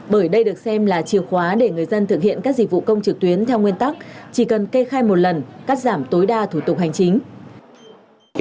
bởi đây được xem là chìa khóa để người dân thực hiện các dịch vụ công trực tuyến theo nguyên tắc chỉ cần kê khai một lần cắt giảm tối đa thủ tục hành chính